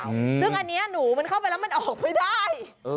ซึ่งอันนี้หนูมันเข้าไปแล้วมันออกไม่ได้